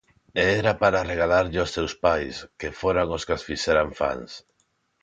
E era para regalarllo a seus pais, que foran os que as fixeran fans.